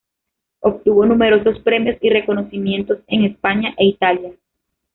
Obtuvo numerosos premios y reconocimientos en España e Italia.